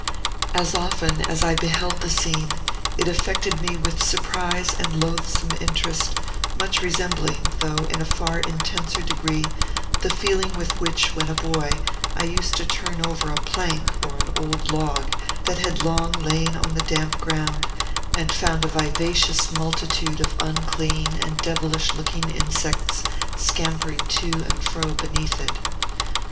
As often as I beheld the scene, it affected me with surprise and loathsome interest, much resembling, though in a far intenser degree, the feeling with which, when a boy, I used to turn over a plank or an old log that had long lain on the damp ground, and found a vivacious multitude of unclean and devilish looking insects scampering to and fro beneath it.